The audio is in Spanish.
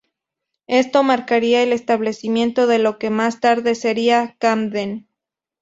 Esto marcaría el establecimiento de lo que más tarde sería Camden.